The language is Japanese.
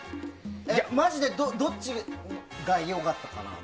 まじでどっちが良かったかな。